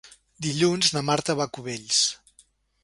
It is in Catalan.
Dilluns na Marta va a Cubells.